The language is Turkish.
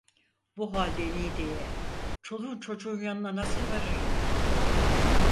Bu halde Niğde'ye, çoluğun çocuğun yanına nasıl varırım?